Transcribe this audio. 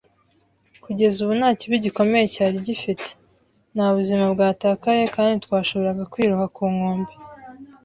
Kugeza ubu nta kibi gikomeye cyari gifite. Nta buzima bwatakaye, kandi twashoboraga kwiroha ku nkombe